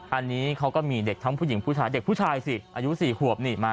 อันนี้เขาก็มีเด็กทั้งผู้หญิงผู้ชายเด็กผู้ชายสิอายุ๔ขวบนี่มา